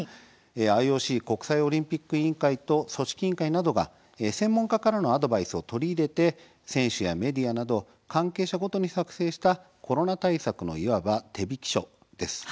ＩＯＣ国際オリンピック委員会と組織委員会などが専門家からのアドバイスを取り入れて選手やメディアなど関係者ごとに作成したコロナ対策のいわば手引書です。